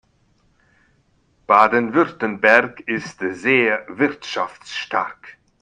Baden-Württemberg ist sehr wirtschaftsstark.